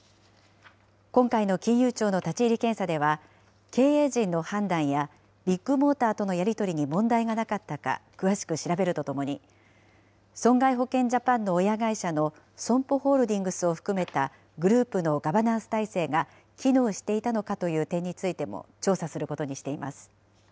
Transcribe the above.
今回の金融庁の立ち入り検査では、経営陣の判断やビッグモーターとのやり取りに問題がなかったか詳しく調べるとともに、損害保険ジャパンの親会社のＳＯＭＰＯホールディングスを含めたグループのガバナンス体制が機能していたのかという点についても調査することにしています。